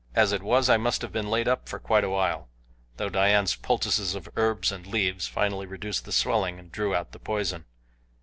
As it was I must have been laid up for quite a while, though Dian's poultices of herbs and leaves finally reduced the swelling and drew out the poison.